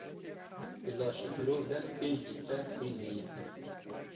Di laşê mirov de pênc lître xwîn heye.